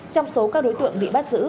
trong số các đối tượng bị bắt giữ